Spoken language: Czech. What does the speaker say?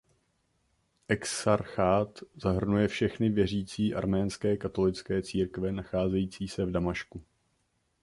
Exarchát zahrnuje všechny věřící arménské katolické církve nacházející se v Damašku.